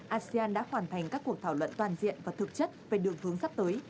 asean đã hoàn thành các cuộc thảo luận toàn diện và thực chất về đường hướng sắp tới